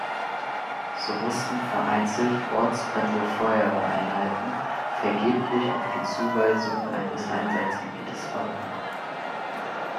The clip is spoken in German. So mussten vereinzelt ortsfremde Feuerwehreinheiten vergeblich auf die Zuweisung eines Einsatzgebietes warten.